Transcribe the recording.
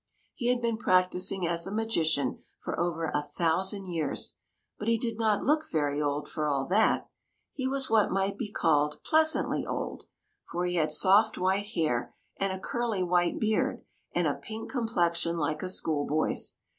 He had been practising as a magician for over a thousand years, but he did not look very old, for all that; he was what might be called pleasantly old, for he had soft white hair and a curly white beard and a pink complexion like a school boy's.